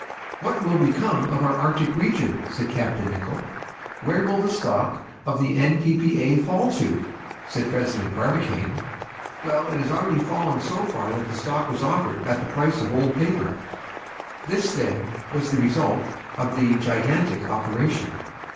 "What will become of our Arctic region?" said Capt. Nicholl." "Where will the stock of the N.P.P.A. fall to?" said President Barbicane. Well, it had already fallen so far that the stock was offered at the price of old paper. This, then, was the result of the gigantic operation.